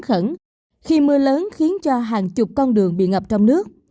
khẩn khi mưa lớn khiến cho hàng chục con đường bị ngập trong nước